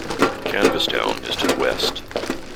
Canvastown is to the west.